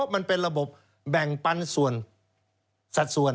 มันเป็นระบบแบ่งปันส่วนสัดส่วน